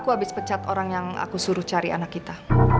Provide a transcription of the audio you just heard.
aku habis pecat orang yang aku suruh cari anak kita